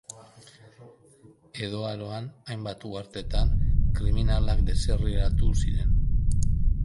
Edo Aroan hainbat uhartetan kriminalak deserriratu ziren.